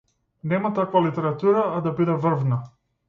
Нема таква литература, а да биде врвна.